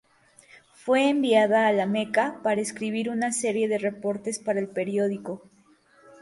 Fue enviada a la Meca para escribir una serie de reportes para el periódico.